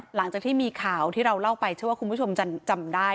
หลังจากที่มีข่าวที่เราเล่าไปเชื่อว่าคุณผู้ชมจำได้